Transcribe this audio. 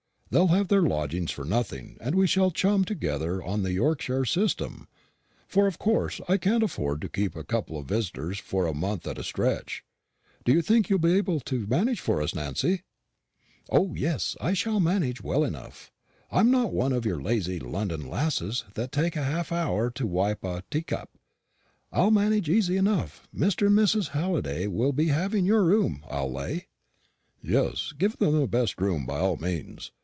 They'll have their lodgings for nothing, and we shall chum together on the Yorkshire system; for of course I can't afford to keep a couple of visitors for a month at a stretch. Do you think you shall be able to manage for us, Nancy?" "O, yes, I'll manage well enough. I'm not one of your lazy London lasses that take half an hour to wipe a teacup. I'll manage easy enough. Mr. and Mrs. Halliday will be having your room, I'll lay." "Yes; give them the best room, by all means.